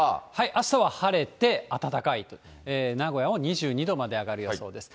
あしたは晴れて、暖かいと、名古屋も２２度まで上がる予想です。